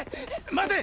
待て！